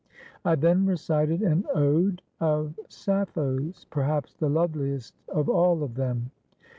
I then recited an ode of Sappho's, perhaps the loveliest of all of them.